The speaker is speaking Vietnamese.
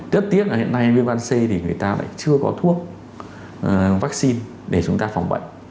rất tiếc là hiện nay viêm gan c thì người ta lại chưa có thuốc vaccine để chúng ta phòng bệnh